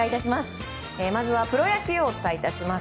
まずはプロ野球お伝えいたします。